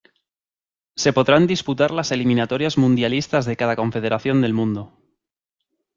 Se podrán disputar las Eliminatorias Mundialistas de cada Confederación del Mundo.